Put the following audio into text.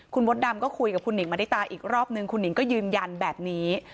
คุณมดดำก็คุยกับคุณหิงมณิตาอีกรอบนึงคุณหนิงก็ยืนยันแบบนี้